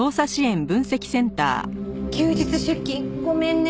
休日出勤ごめんね。